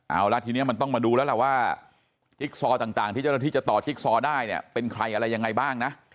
เอาละทีนี้มันต้องมาดูแล้วล่ะว่าจิ๊กซอต่างที่เจ้าหน้าที่จะต่อจิ๊กซอได้เนี่ยเป็นใครอะไรยังไงบ้างนะ